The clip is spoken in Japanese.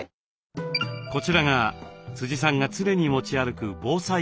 こちらがさんが常に持ち歩く防災ポーチ。